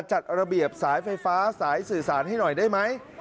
จัดระเบียบสายไฟฟ้าสายสื่อสารให้หน่อยได้ไหม